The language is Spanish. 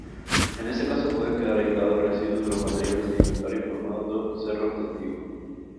En ese caso pueden quedar aislados residuos de los materiales sedimentarios formando cerros testigo.